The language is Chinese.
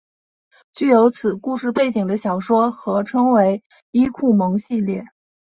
具有此故事背景的小说合称为伊库盟系列。